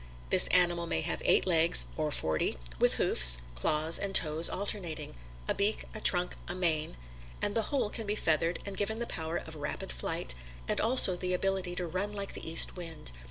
This animal may have eight legs (or forty) with hoofs, claws and toes alternating; a beak, a trunk, a mane; and the whole can be feathered and given the power of rapid flight and also the ability to run like the East Wind.